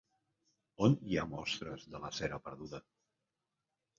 On hi ha mostres de la cera perduda?